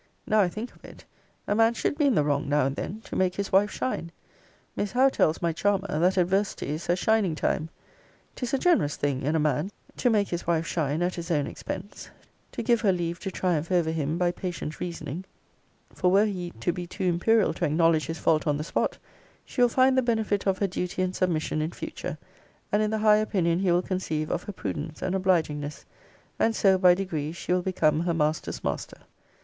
Now I think of it, a man should be in the wrong now and then, to make his wife shine. Miss Howe tells my charmer, that adversity is her shining time. 'Tis a generous thing in a man to make his wife shine at his own expense: to give her leave to triumph over him by patient reasoning: for were he to be too imperial to acknowledge his fault on the spot, she will find the benefit of her duty and submission in future, and in the high opinion he will conceive of her prudence and obligingness and so, by degrees, she will become her master's master.